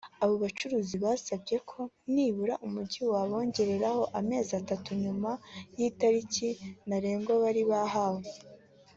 Abo bacuruzi basabye ko nibura umujyi wabongera amezi atatu nyuma y’itariki ntarengwa bari bahawe